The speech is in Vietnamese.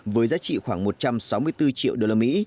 với giá trị khoảng một trăm sáu mươi bốn triệu đô la mỹ